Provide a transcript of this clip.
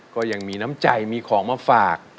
ก็ยังมีน้ำใจมีของมาฝาก